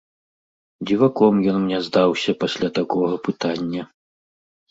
Дзіваком ён мне здаўся пасля такога пытання.